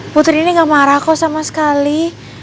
putri ini gak marah kok sama sekali